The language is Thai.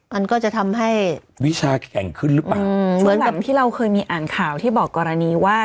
มันก็จะทำให้วิชาแข็งขึ้นหรือเปล่าเหมือนแบบที่เราเคยมีอ่านข่าวที่บอกกรณีว่า